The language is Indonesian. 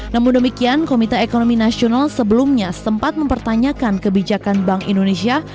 namun demikian komite ekonomi nasional sebelumnya sempat mempertanyakan kebijakan bank indonesia